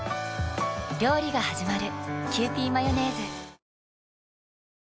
料理がはじまる。